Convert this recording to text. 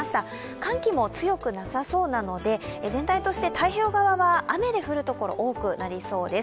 寒気も強くなさそうなので、全体として太平洋側は雨が降る所が多くなりそうです。